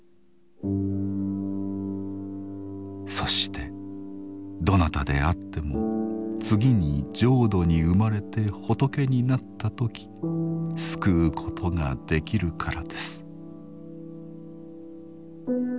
そしてどなたであっても次に浄土に生まれて仏になったとき救うことができるからです。